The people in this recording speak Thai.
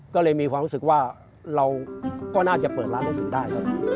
ก็เลยมีความรู้สึกว่าเราก็น่าจะเปิดร้านหนังสือได้